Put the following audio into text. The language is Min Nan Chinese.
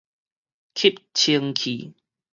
吸清器